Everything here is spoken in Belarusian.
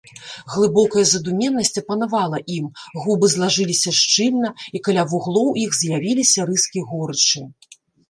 Глыбокая задуменнасць апанавала ім, губы злажыліся шчыльна, і каля вуглоў іх з'явіліся рыскі горычы.